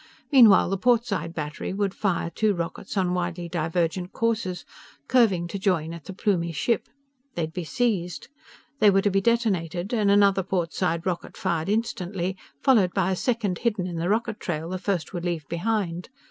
Meanwhile the port side battery would fire two rockets on widely divergent courses, curving to join at the Plumie ship. They'd be seized. They were to be detonated and another port side rocket fired instantly, followed by a second hidden in the rocket trail the first would leave behind.